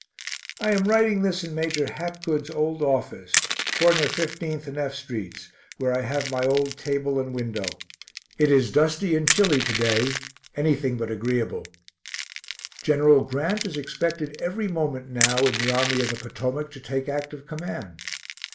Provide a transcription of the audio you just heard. I am writing this in Major Hapgood's old office, cor. 15th and F streets, where I have my old table and window. It is dusty and chilly to day, anything but agreeable. Gen. Grant is expected every moment now in the Army of the Potomac to take active command.